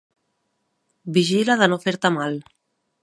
Vigila de no fer-te mal.